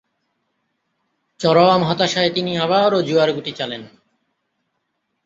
চরম হতাশায় তিনি আবারও জুয়ার গুটি চালেন।